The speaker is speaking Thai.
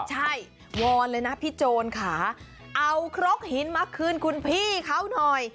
ใช่วอนเลยนะพี่โจรค่ะเอาครกหินมาคืนคุณพี่เขาหน่อย